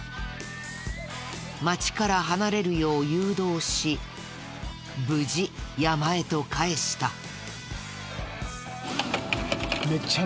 街から離れるよう誘導し無事山へと帰した。